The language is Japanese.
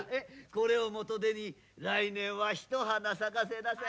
これをもとでに来年はひと花咲かせなさい。